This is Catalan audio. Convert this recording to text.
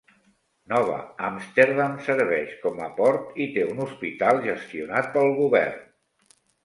Nova Amsterdam serveix com a port i té un hospital gestionat pel govern.